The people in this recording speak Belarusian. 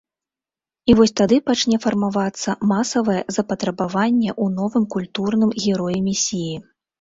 І вось тады пачне фармавацца масавае запатрабаванне ў новым культурным героі-месіі.